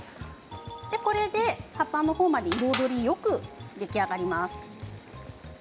これで葉っぱの方も彩りよく出来上がります。